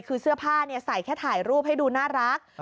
คือเสื้อผ้าใส่แค่ถ่ายรูปให้ดูน่ารัก